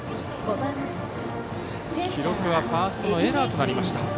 記録はファーストのエラーとなりました。